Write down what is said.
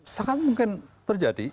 sangat mungkin terjadi